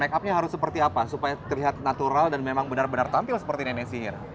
make up nya harus seperti apa supaya terlihat natural dan memang benar benar tampil seperti nenek sihir